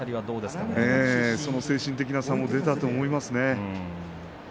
その精神的な差も出たと思いますね。